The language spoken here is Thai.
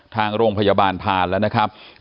ทางโรงพยาบาลผ่านแล้วนะครับ